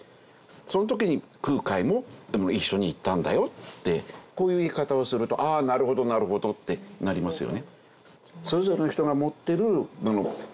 その時に空海も一緒に行ったんだよってこういう言い方をするとああなるほどなるほどってなりますよね。